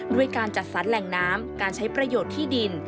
ด้วยการจัดสรรแหล่งน้ำการใช้ประโยชน์ที่ดิน